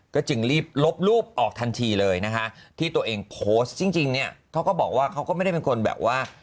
ก็จึงรีบลบรูปออกทันทีเลยนะคะที่ตัวเองโพสต์จริงเนี่ยเขาก็บอกว่าเขาก็ไม่ได้เป็นคนแบบว่า